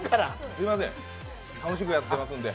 すみません、楽しくやってますんで。